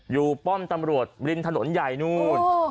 ป้อมตำรวจริมถนนใหญ่นู่น